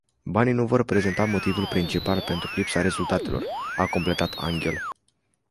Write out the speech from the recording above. Banii nu vor reprezenta motivul principal pentru lipsa rezultatelor, a completat Anghel.